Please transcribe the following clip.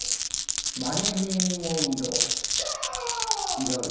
違うね。